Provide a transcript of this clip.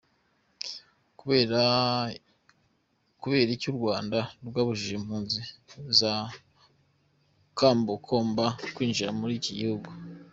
Kubera iki Urwanda rwabujije impuzu za kombokombo kwinjira muri ico gihugu?.